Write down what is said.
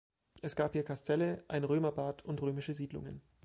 Es gab hier Kastelle, ein Römerbad und römische Siedlungen.